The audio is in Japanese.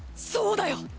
そうだよ！！